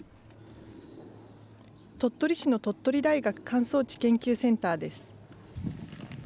鳥取市の鳥取大学乾燥地研究センターです。